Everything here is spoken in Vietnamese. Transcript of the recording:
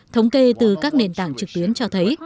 thống kê từ các nền tảng trực tuyến cho thấy